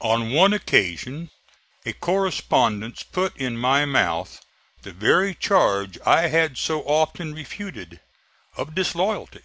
On one occasion a correspondent put in my mouth the very charge I had so often refuted of disloyalty.